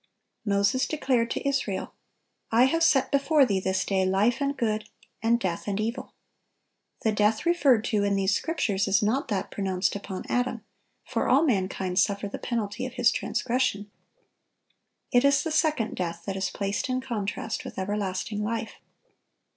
Moses declared to Israel, "I have set before thee this day life and good, and death and evil."(954) The death referred to in these scriptures is not that pronounced upon Adam, for all mankind suffer the penalty of his transgression. It is the "second death" that is placed in contrast with everlasting life.